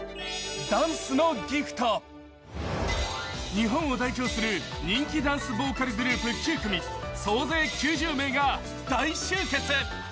日本を代表する人気ダンスボーカルグループ９組、総勢９０名が大集結。